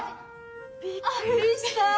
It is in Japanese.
びっくりした！